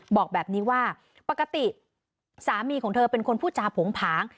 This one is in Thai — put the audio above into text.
บอกแบบนี้ว่าปกติสามีของเธอเป็นคนพูดจาโผงผาง